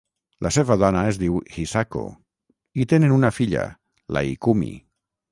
La seva dona es diu Hisako, i tenen una filla, la Ikumi.